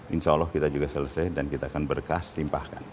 insya allah kita juga selesai dan kita akan berkas limpahkan